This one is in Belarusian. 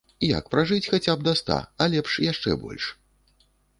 Як пражыць хаця б да ста, а лепш яшчэ больш?